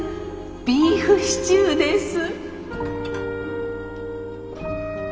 ビーフシチューです。